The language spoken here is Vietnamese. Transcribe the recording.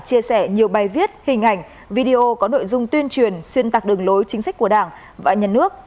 chia sẻ nhiều bài viết hình ảnh video có nội dung tuyên truyền xuyên tạc đường lối chính sách của đảng và nhà nước